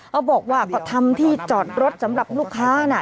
เขาบอกว่าก็ทำที่จอดรถสำหรับลูกค้าน่ะ